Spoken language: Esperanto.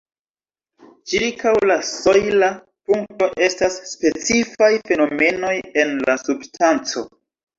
Ĉirkaŭ la sojla punkto estas specifaj fenomenoj en la substanco.